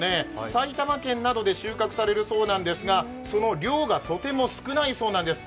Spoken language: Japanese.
埼玉県などで収穫されるそうなんですが、その量がとても少ないそうなんです。